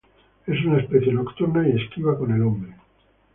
Es una especie nocturna y esquiva con el hombre.